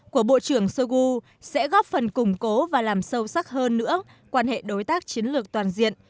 của bộ trưởng shoigu sẽ góp phần củng cố và làm sâu sắc hơn nữa quan hệ đối tác chiến lược toàn diện